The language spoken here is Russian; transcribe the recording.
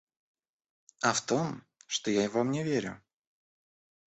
А в том, что я Вам не верю.